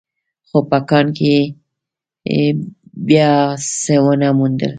خو په کان کې يې بيا څه ونه موندل.